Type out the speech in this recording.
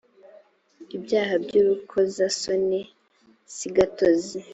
ibyaha by ‘urukozasoni sigatozi.